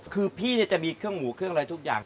คือพี่จะมีเครื่องหมูเครื่องอะไรทุกอย่าง